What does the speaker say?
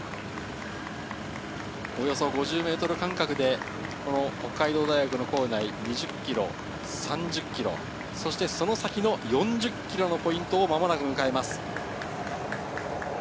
およそ５０ｍ間隔で北海道大学の構内２０ｋｍ、３０ｋｍ、その先の４０ｋｍのポイントを間もなく迎えます。